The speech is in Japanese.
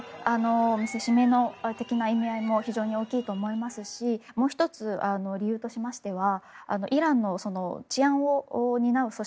見せしめ的な意味合いも非常に大きいと思いますしもう１つ、理由としましてはイランの治安を担う組織